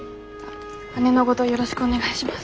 姉のごどよろしくお願いします。